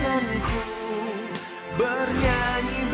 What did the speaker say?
dikasihnya jeruk asem